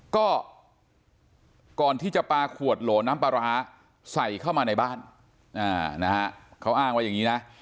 ก็ก่อนที่จะปลาขวดโหลน้ำปลาร้าใส่เข้ามาในบ้านเขาอ้างว่าอย่างนี้นะ